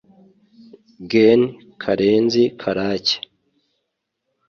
Gen Karenzi Karake